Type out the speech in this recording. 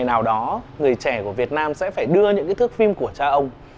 người nào đó người trẻ của việt nam sẽ phải đưa những thước phim của cha ông